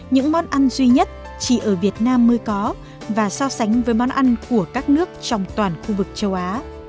những món ăn duy nhất chỉ ở việt nam mới có và so sánh với món ăn của các nước trong toàn khu vực châu á